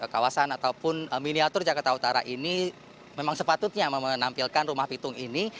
kawasan ataupun miniatur jakarta utara ini memang sepatutnya menampilkan rumah pitung ini